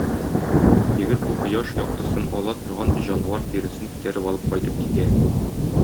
Егет бу кояш яктысын ала торган җанвар тиресен күтәреп алып кайтып китә.